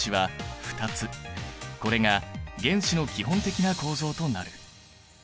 これが原子の基本的な構造となる。